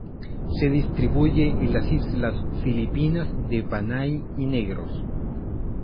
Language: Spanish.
Se distribuye en las islas filipinas de Panay y Negros.